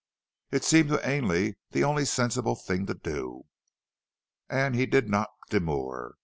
It seemed to Ainley the only sensible thing to do, and he did not demur.